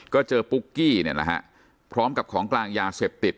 ก็เจอปุ๊กกี้เนี่ยนะฮะพร้อมกับของกลางยาเสพติด